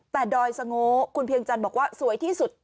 แต่ดอยสโง่คุณเพียงจันทร์บอกว่าสวยที่สุด